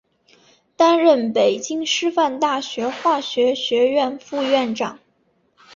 担任北京师范大学化学学院副院长。